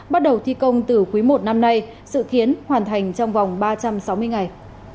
bắt đầu thi công từ quý i năm nay sự kiến hoàn thành trong vòng ba trăm sáu mươi ngày